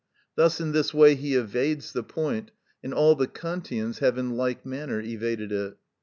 Thus in this way he evades the point, and all the Kantians have in like manner evaded it.